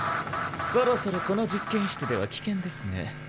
そろそろこの実験室では危険ですね。